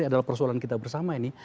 ini adalah persoalan kita bersama ini